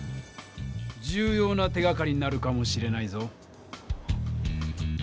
重ような手がかりになるかもしれないぞ。